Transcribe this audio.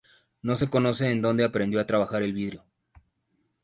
No se conoce en donde aprendió a trabajar el vidrio.